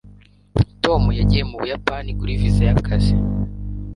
tom yagiye mu buyapani kuri viza y'akazi